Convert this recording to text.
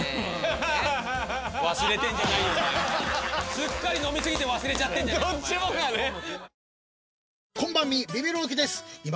すっかり飲み過ぎて忘れちゃってんじゃねえか。